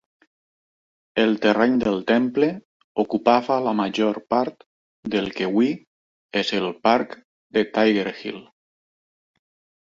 El terreny del temple ocupava la major part del que avui és el parc de Tiger Hill.